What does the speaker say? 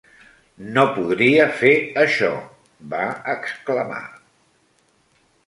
"No podria fer això", va exclamar.